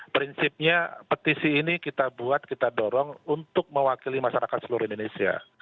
prinsipnya petisi ini kita buat kita dorong untuk mewakili masyarakat seluruh indonesia